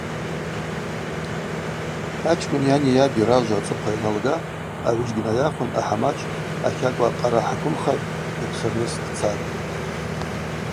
Ачкӏвын йани йаби ражва ацӏыхъва йаналга агӏвыджьгьи найахвын ахӏамач ахакӏва къара-хӏаквымхагӏв дапшырныс дцатӏ.